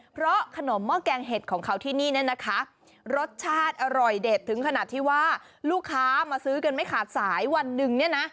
เพราะขนมหม้อแกงเห็ดของเขาที่นี่เนี่ยนะคะรสชาติอร่อยเด็ดถึงขนาดที่ว่าลูกค้ามาซื้อกันไม่ขาดสายวันหนึ่งเนี่ยนะ